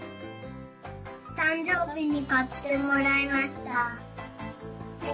たんじょうびにかってもらいました。